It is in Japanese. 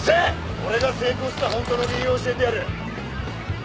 俺が成功した本当の理由を教えてやる。